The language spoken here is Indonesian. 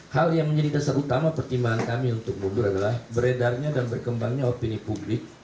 hal yang menjadi dasar utama pertimbangan kami untuk mundur adalah beredarnya dan berkembangnya opini publik